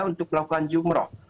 untuk melakukan jumrah